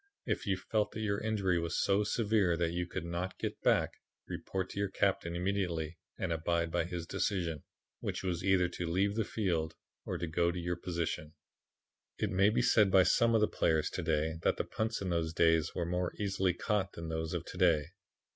If you felt that your injury was so severe that you could not get back, report to your captain immediately and abide by his decision, which was either to leave the field or go to your position. "It may be said by some of the players to day that the punts in those days were more easily caught than those of to day.